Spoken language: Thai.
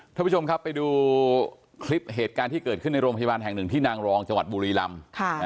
ท่านผู้ชมครับไปดูคลิปเหตุการณ์ที่เกิดขึ้นในโรงพยาบาลแห่งหนึ่งที่นางรองจังหวัดบุรีลำ